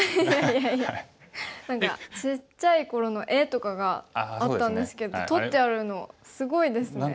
何かちっちゃい頃の絵とかがあったんですけど取ってあるのすごいですね。